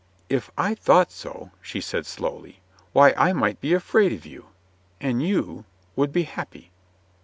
"If I thought so," she said slowly, "why, I might be afraid of you. And you — would be happy."